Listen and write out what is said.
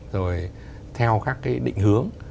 rồi theo các cái định hướng